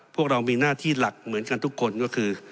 พวกเรามีหน้าที่หลักเหมือนกันทุกคนก็คือ